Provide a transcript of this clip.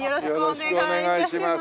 よろしくお願いします。